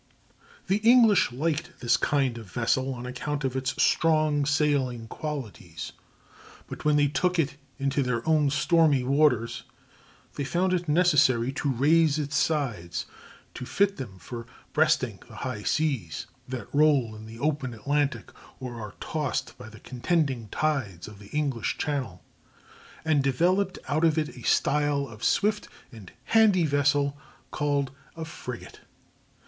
The English liked this kind of vessel on account of its strong sailing qualities, but when they took it into their own stormy waters they found it necessary to raise its sides to fit them for breasting the high seas that roll in the open Atlantic or are tossed by the contending tides of the English Channel, and developed out of it a style of swift and handy vessel called a frigate.